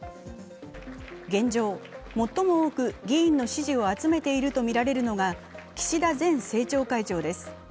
現状、最も多く議員の支持を集めているとみられるのが岸田前政調会長です。